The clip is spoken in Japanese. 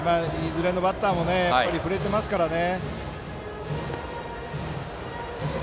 このバッターも振れていますからね。